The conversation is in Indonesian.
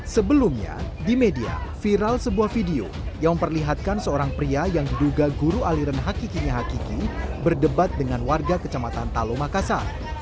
sebelumnya di media viral sebuah video yang memperlihatkan seorang pria yang diduga guru aliran hakikinya hakiki berdebat dengan warga kecamatan talo makassar